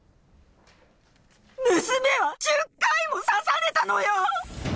娘は１０回も刺されたのよ。